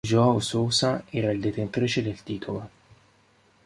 João Sousa era il detentrice del titolo.